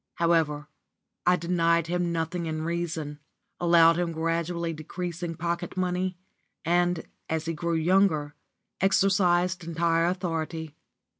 However, I denied him nothing in reason, allowed him gradually decreasing pocket money, and, as he grew younger, exercised entire authority.